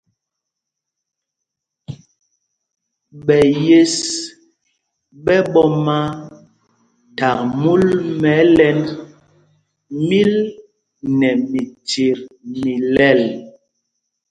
Ɓɛ yes ɓɛ̄ ɓɔ́ma thak múl mɛ ɛ́lɛ́nd míl nɛ michyet mi lɛl.